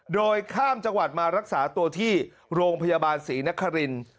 โดยข้ามจังหวัดมารักษาตัวที่โรงพยาบาลศรีนครินทร์